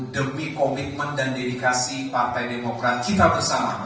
demi komitmen dan dedikasi partai demokrat kita bersama